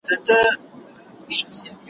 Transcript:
خداى وركړي عجايب وه صورتونه